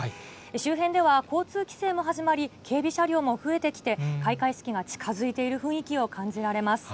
周辺では交通規制も始まり、警備車両も増えてきて、開会式が近づいている雰囲気を感じられます。